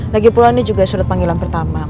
lagipula ini juga surat panggilan pertama